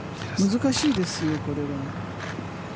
難しいですよ、これは。